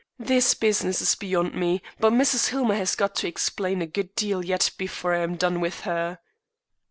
This business is beyond me, but Mrs. Hillmer has got to explain a good deal yet before I am done with her."